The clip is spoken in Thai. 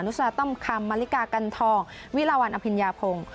นุษยาต้มคำมหลิกากันทองวิลาวันอพิญญาโพง